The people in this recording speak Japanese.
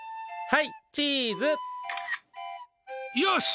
はい、チーズ！よし！